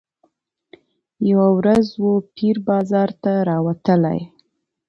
یوه ورځ وو پیر بازار ته راوتلی